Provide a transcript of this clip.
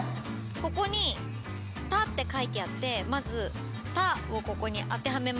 ここに「た」って書いてあってまず「た」をここに当てはめました。